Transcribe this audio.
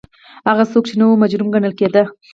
هغه څوک چې نه وو مجرم ګڼل کېده